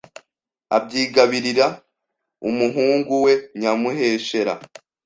abyigabirira umuhungu we Nyamuheshera